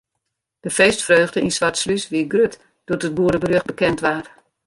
De feestfreugde yn Swartslús wie grut doe't it goede berjocht bekend waard.